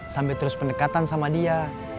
sampai terus pendekatan sama dia